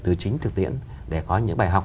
từ chính thực tiễn để có những bài học